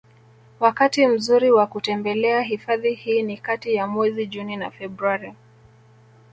Wakati mzuri wa kutembelea hifadhi hii ni kati ya mwezi Juni na Februari